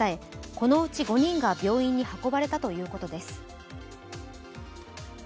このうち５人が病院に運ばれたということです。